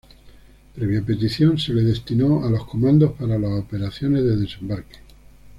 Previa petición, se le destinó a los Comandos para las Operaciones de Desembarque.